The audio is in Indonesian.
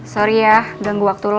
sorry ya ganggu waktu lo